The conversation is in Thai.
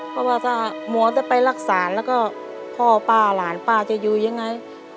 เพราะว่าถ้าหมอจะไปรักษาแล้วก็พ่อป้าหลานป้าจะอยู่ยังไง